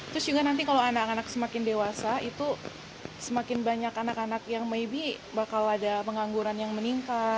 terus juga nanti kalau anak anak semakin dewasa itu semakin banyak anak anak yang maybe bakal ada pengangguran yang meningkat